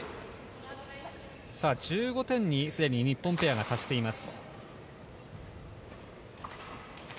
１５点にすでに日本ペアが達しています。